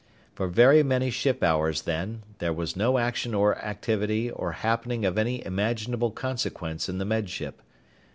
For very many ship hours, then, there was no action or activity or happening of any imaginable consequence in the Med Ship.